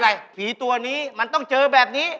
อะไรผีตัวนี้มันต้องเจอแบบนี้